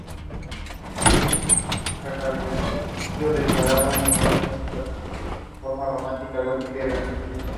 Publicó varios artículos en el semanario Marcha.